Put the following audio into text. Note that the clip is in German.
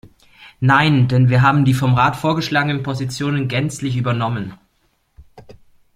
Nein, denn wir haben die vom Rat vorgeschlagenen Positionen gänzlich übernommen.